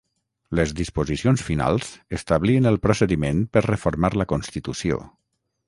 Les disposicions finals establien el procediment per reformar la Constitució.